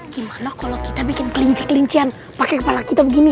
gimana kalau kita bikin kelinci kelincian pakai kepala kita begini